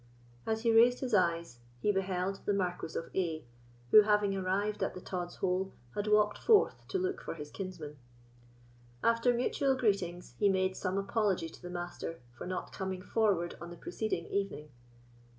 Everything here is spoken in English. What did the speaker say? As he raised his eyes, he beheld the Marquis of A——, who, having arrived at the Tod's Hole, had walked forth to look for his kinsman. After mutual greetings, he made some apology to the Master for not coming forward on the preceding evening.